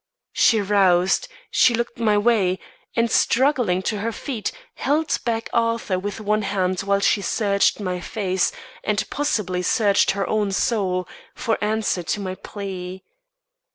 She roused; she looked my way, and struggling to her feet, held back Arthur with one hand while she searched my face and possibly searched her own soul for answer to my plea.